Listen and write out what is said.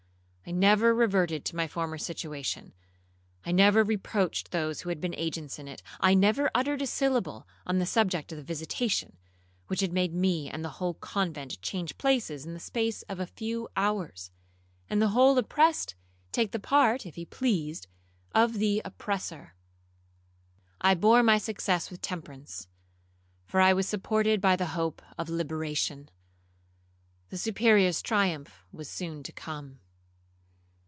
I never reverted to my former situation,—I never reproached those who had been agents in it,—I never uttered a syllable on the subject of the visitation, which had made me and the whole convent change places in the space of a few hours, and the oppressed take the part (if he pleased) of the oppressor. I bore my success with temperance, for I was supported by the hope of liberation. The Superior's triumph was soon to come.